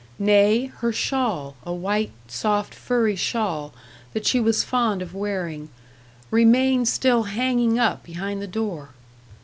Nay, her shawl a white, soft, furry shawl, that she was fond of wearing remained still hanging up behind the door.